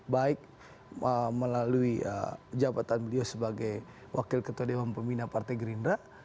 baik melalui jabatan beliau sebagai wakil ketua dewan pembina partai gerindra